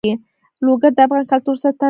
لوگر د افغان کلتور سره تړاو لري.